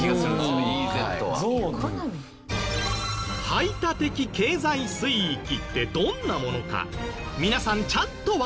排他的経済水域ってどんなものか